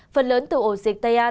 phần lớn từ ổ dịch tây an